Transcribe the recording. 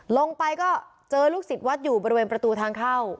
ลงไปก็เจอลูกศิษย์วัดอยู่บริเวณประตูทางเข้า